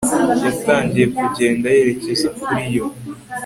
yatangiye kugenda yerekeza kuri yo